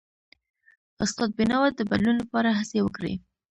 استاد بینوا د بدلون لپاره هڅې وکړي.